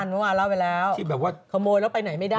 เมื่อวานเล่าไปแล้วขโมยแล้วไปไหนไม่ได้